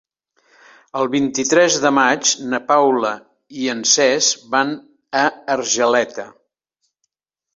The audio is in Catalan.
El vint-i-tres de maig na Paula i en Cesc van a Argeleta.